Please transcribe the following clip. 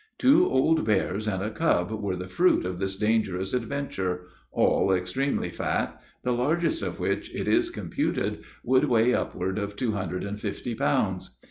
"Two old bears and a cub were the fruit of this dangerous adventure all extremely fat the largest of which, it is computed, would weigh upward of two hundred and fifty pounds.